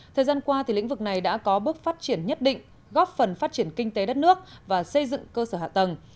thời gian qua lĩnh vực này đã có bước phát triển nhất định góp phần phát triển kinh tế đất nước và xây dựng cơ sở hạ tầng